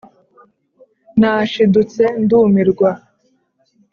nashidutse ndumirwa